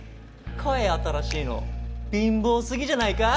買え新しいの。貧乏すぎじゃないか。